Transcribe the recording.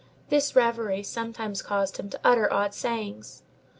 This reverie sometimes caused him to utter odd sayings.